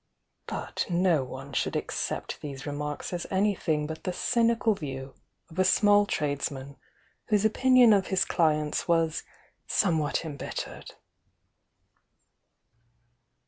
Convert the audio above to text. But no one should accept these remarks as any thing but the cynical view of a small tradesman whose opinion of his cUents was somewhat embit tercel.